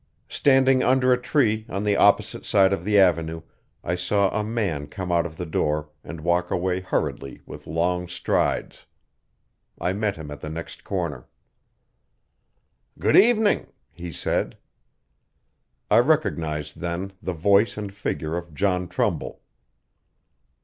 Standing under a tree on the opposite side of the avenue I saw a man come out of the door and walk away hurriedly with long strides. I met him at the next corner. 'Good evening!' he said. I recognised then the voice and figure of John Trumbull.